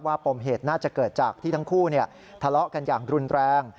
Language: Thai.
ปมเหตุน่าจะเกิดจากที่ทั้งคู่ทะเลาะกันอย่างรุนแรง